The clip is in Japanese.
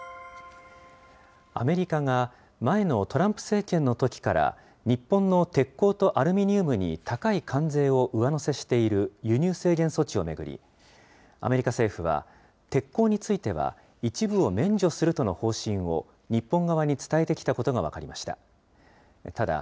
アメリカが前のトランプ政権のときから日本の鉄鋼とアルミニウムに高い関税を上乗せしている輸入制限措置を巡り、アメリカ政府は、鉄鋼については一部を免除するとの方針を日本側に伝えてきたことが分かりました。